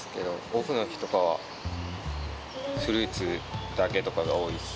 オフの日ときとかはフルーツだけとかが多いっす。